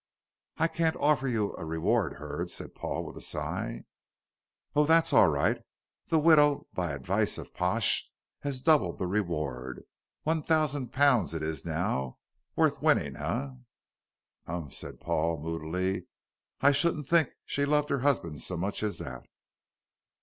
"I can't offer you a reward, Hurd," said Paul, with a sigh. "Oh, that's all right. The widow, by the advice of Pash, has doubled the reward. One thousand pounds it is now worth winning, eh?" "Humph!" said Paul, moodily, "I shouldn't think she loved her husband so much as that."